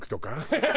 ハハハハ！